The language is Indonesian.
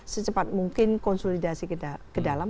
secepat mungkin konsolidasi ke dalam